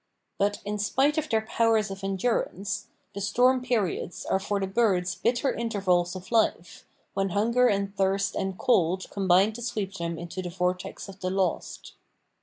But, in spite of their powers of endurance, the storm periods are for the birds bitter intervals of life, when hunger and thirst and cold combine to sweep them into the vortex of the lost.